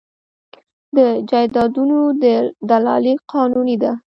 د جایدادونو دلالي قانوني ده؟